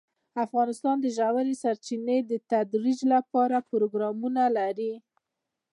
افغانستان د ژورې سرچینې د ترویج لپاره پروګرامونه لري.